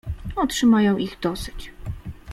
"Otrzymają ich dosyć."